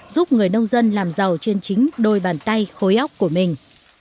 giúp người nông dân làm giàu trên chính đôi bàn tay khối óc của mình